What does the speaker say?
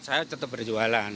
saya tetap berjualan